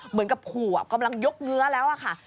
เหมือนกับขู่กำลังยกเงื้อแล้วค่ะ